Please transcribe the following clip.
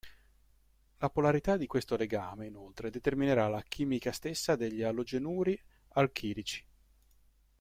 La polarità di questo legame inoltre determinerà la chimica stessa degli alogenuri alchilici.